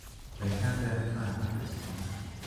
They had their plan, at this point.